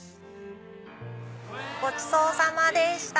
ごちそうさまでした。